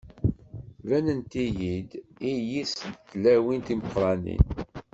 Ttbanent-iyi-d iyi-s d tilawin timeqranin.